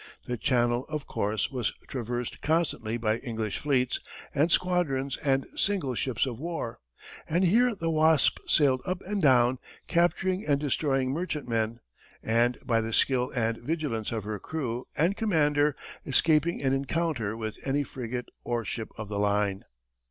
The Channel, of course, was traversed constantly by English fleets and squadrons and single ships of war, and here the Wasp sailed up and down, capturing and destroying merchantmen, and, by the skill and vigilance of her crew and commander, escaping an encounter with any frigate or ship of the line.